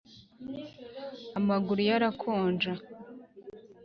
amaguru ye arakonja